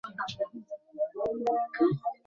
মনে হয় বড় কোনো সমস্যা হয়েছে।